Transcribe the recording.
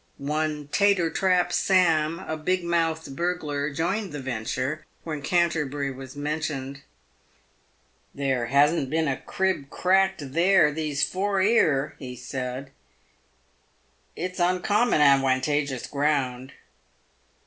One Tater trap Sam, a big mouthed burglar, joined the venture when Can terbury was mentioned. " There hasn't been a crib cracked there these four 'ear," he said. " It's uncommon adwantageous ground."